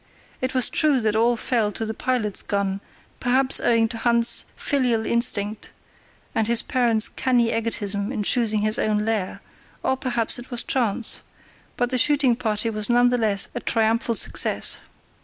It was true that all fell to the pilot's gun, perhaps owing to Hans's filial instinct and his parent's canny egotism in choosing his own lair, or perhaps it was chance; but the shooting party was none the less a triumphal success.